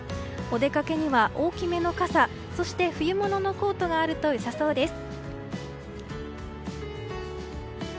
お出かけには大きめの傘そして、冬物のコートがあると良さそうです。